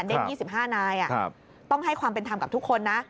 ๒๕นายต้องให้ความเป็นธรรมกับทุกคนนะ